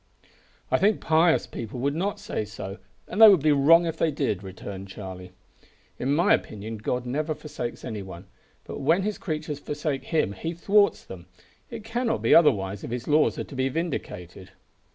"I think pious people would not say so, and they would be wrong if they did," returned Charlie. "In my opinion God never forsakes any one; but when His creatures forsake him He thwarts them. It cannot be otherwise if His laws are to be vindicated."